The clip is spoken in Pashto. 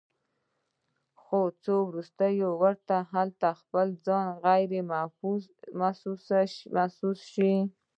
خو وروستو ورته هلته خپل ځان غيرمحفوظ محسوس شو